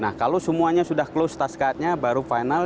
nah kalau semuanya sudah close task cardnya baru final